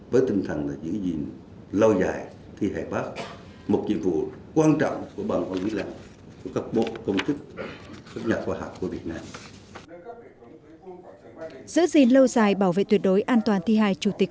với tinh thần giữ gìn lâu dài thi hài bác một nhiệm vụ quan trọng của bằng hội lý lãnh của các bộ công chức các nhà khoa học của việt nam